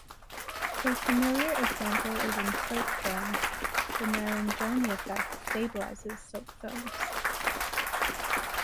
A familiar example is in soap films: the Marangoni effect "stabilizes" soap films.